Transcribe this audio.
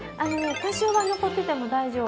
多少は残ってても大丈夫。